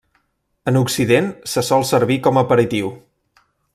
En occident, se sol servir com aperitiu.